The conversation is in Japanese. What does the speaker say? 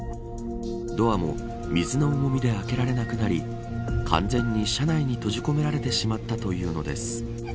ドアも水の重みで開けられなくなり完全に車内に閉じ込められてしまったというのです。